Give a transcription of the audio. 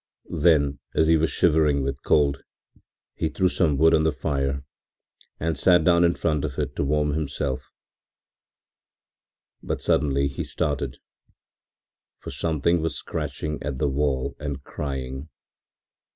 Then, as he was shivering with cold, he threw some wood on the fire and sat down in front of it to warm himself, but suddenly he started, for somebody was scratching at the wall and crying.